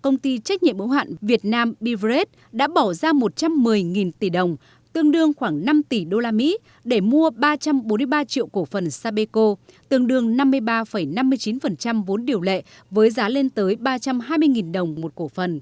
công ty trách nhiệm ủng hạn việt nam bivret đã bỏ ra một trăm một mươi tỷ đồng tương đương khoảng năm tỷ usd để mua ba trăm bốn mươi ba triệu cổ phần sapeco tương đương năm mươi ba năm mươi chín vốn điều lệ với giá lên tới ba trăm hai mươi đồng một cổ phần